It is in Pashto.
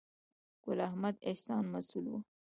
ګل احمد احسان مسؤل و.